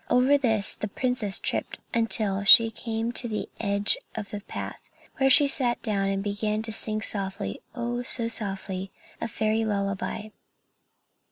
Over this the princess tripped until she came to the end of the path, where she sat down, and began to sing softly, oh, so softly, a fairy lullaby.